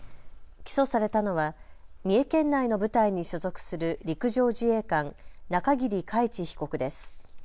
起訴されたのは三重県内の部隊に所属する陸上自衛官、中桐海知被告です。